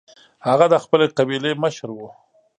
هغه د خپلې قبیلې مشر و.